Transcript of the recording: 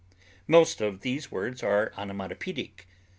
Most of these words are onomatopoetic.